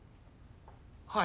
はい。